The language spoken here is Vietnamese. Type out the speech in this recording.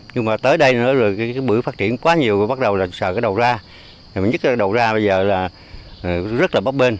nhưng mà tới đây bưởi phát triển quá nhiều bắt đầu sờ đầu ra đầu ra bây giờ rất là bóp bên